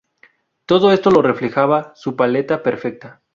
Todo esto lo reflejaba su paleta perfecta.